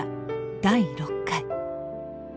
第６回。